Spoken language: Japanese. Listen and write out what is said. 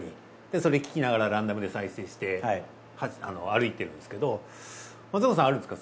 それ聴きながらランダムで再生して歩いてるんですけど松岡さんあるんですか？